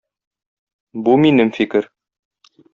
Бу - минем фикер.